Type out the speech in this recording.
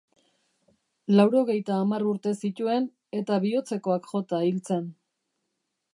Laurogeita hamar urte zituen eta bihotzekoak jota hil zen.